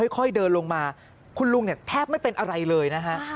ค่อยเดินลงมาคุณลุงเนี่ยแทบไม่เป็นอะไรเลยนะฮะ